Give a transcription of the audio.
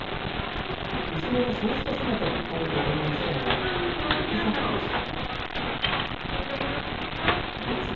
娘のそうした姿を見かねて提案したのが、リュックサックでした。